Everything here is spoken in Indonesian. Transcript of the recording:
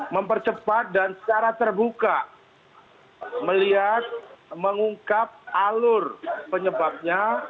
mempercepat dan secara terbuka melihat mengungkap alur penyebabnya